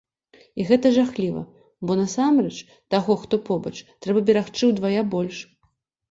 І гэта жахліва, бо насамрэч, таго, хто побач, трэба берагчы ўдвая больш.